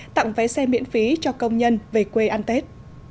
tặng vé xe miễn phí cho công nhân về quê ăn tết